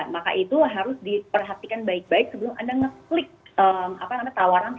maka itu harus diperhatikan baik baik sebelum anda ngeklik tawaran